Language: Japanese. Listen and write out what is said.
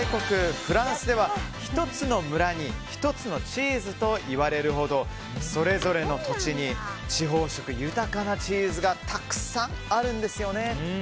フランスでは１つの村に１つのチーズといわれるほど、それぞれの土地に地方色豊かなチーズがたくさんあるんですよね。